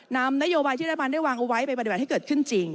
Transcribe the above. นำนโยบายที่รัฐบาลได้วางเอาไว้ไปปฏิบัติให้เกิดขึ้นจริง